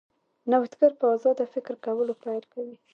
نوښتګر په ازاد فکر کولو پیل کوي.